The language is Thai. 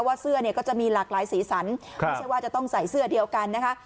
เสื้อเนี่ยก็จะมีหลากหลายสีสันไม่ใช่ว่าจะต้องใส่เสื้อเดียวกันนะคะ